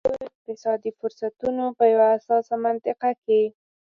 نویو اقتصادي فرصتونو په یوه حساسه مقطعه کې.